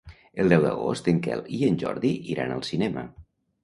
El deu d'agost en Quel i en Jordi iran al cinema.